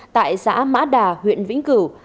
tại xã mã đà huyện vĩnh cửu